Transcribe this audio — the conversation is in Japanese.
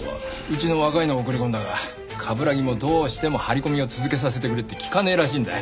うちの若いのを送り込んだが冠城もどうしても張り込みを続けさせてくれって聞かねえらしいんだ。